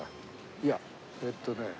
いやえっとね。